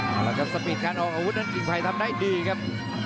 เอาละครับสปีดการออกอาวุธนั้นกิ่งไผ่ทำได้ดีครับ